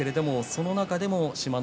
その中でも志摩ノ